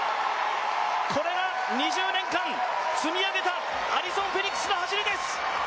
これが２０年間、積み上げたアリソン・フェリックスの走りです！